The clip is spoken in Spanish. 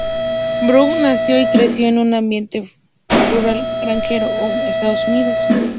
Burrell nació y creció en un ambiente rural granjero en Oklahoma, Estados Unidos.